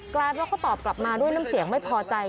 กลายเป็นว่าเขาตอบกลับมาด้วยน้ำเสียงไม่พอใจ